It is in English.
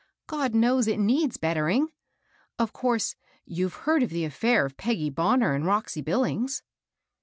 God knows it needs better ing I Of course you've heard of the affidr of Peggy Bonner and Roxy Billings